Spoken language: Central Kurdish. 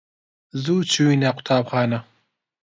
زوو چووینە قوتابخانە.